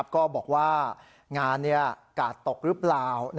ก็บอกว่างานกาดตกหรือเปล่า